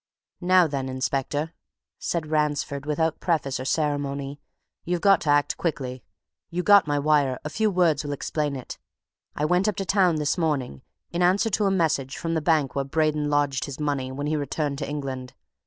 "Now then, inspector," said Ransford without preface or ceremony, "you've got to act quickly! You got my wire a few words will explain it. I went up to town this morning in answer to a message from the bank where Braden lodged his money when he returned to England.